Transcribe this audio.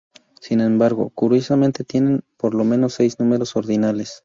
Sin embargo, curiosamente, tienen por lo menos seis números ordinales.